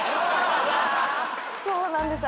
そうなんです。